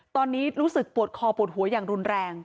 ตอนนี้รู้สึกปวดคอปวดหัวอย่างรุนแรง